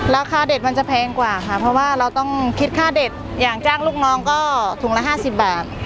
ราคาเด็ดมันจะแพงกว่าค่ะเพราะว่าเราต้องคิดค่าเด็ดอย่างจ้างลูกน้องก็ถุงละ๕๐บาท